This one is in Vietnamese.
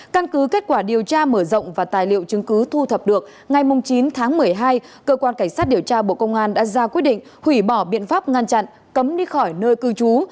căn cứ kết quả điều tra mở rộng và tài liệu chứng cứ thu thập được ngày chín tháng một mươi hai cơ quan cảnh sát điều tra bộ công an đã ra quyết định hủy bỏ biện pháp ngăn chặn cấm đi khỏi nơi cư trú